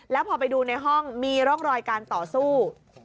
แล้วพอไปดูในห้องมีร่องรอยการต่อสู้